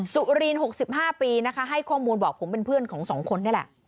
สุริน๖๕ปีนะคะให้ข้อมูลบอกผมเป็นเพื่อนของ๒คนนี่แหละ